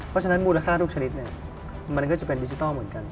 เพราะฉะนั้นมูลค่าทุกชนิดเนี่ยมันก็จะเป็นดิจิทัลเหมือนกัน